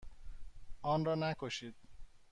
آن را نکشید.